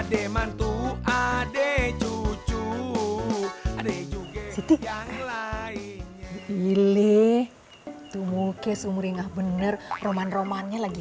ada mantu adek cucu adek juga yang lainnya gini tuh muka seumurnya bener roman roman nya lagi